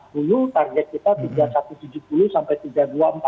target kita rp tiga satu ratus tujuh puluh sampai rp tiga dua ratus empat puluh